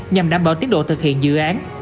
nhằm đảm bảo tiến độ thực hiện dự án